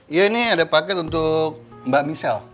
iya ini ada paket untuk mbak michel